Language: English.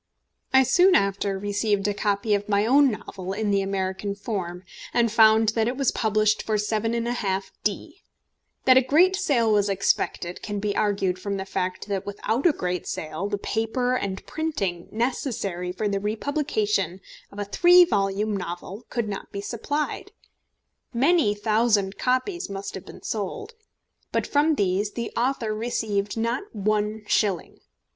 I soon after received a copy of my own novel in the American form, and found that it was published for 7½d. That a great sale was expected can be argued from the fact that without a great sale the paper and printing necessary for the republication of a three volume novel could not be supplied. Many thousand copies must have been sold. But from these the author received not one shilling.